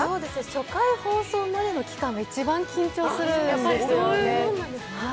初回放送までの期間が一番緊張するんですよね。